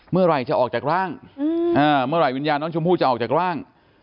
เมื่อไหร่จะออกจากร่างเมื่อไหร่วิญญาณน้องชมพู่จะออกจากร่าง